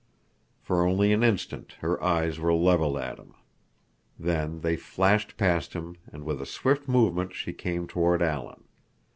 For only an instant her eyes were leveled at him. Then they flashed past him, and with a swift movement she came toward Alan.